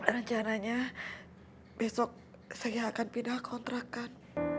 rencananya besok saya akan pindah kontrakan